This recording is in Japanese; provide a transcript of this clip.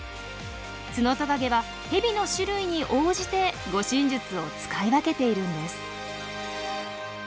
ツノトカゲはヘビの種類に応じて護身術を使い分けているんです。